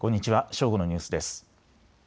正午のニュースです。